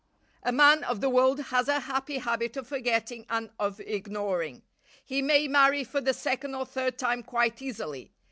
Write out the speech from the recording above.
A man of the world has a happy habit of forgetting and of ignoring. He may marry for the second or third time quite easily.